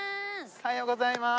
おはようございまーす。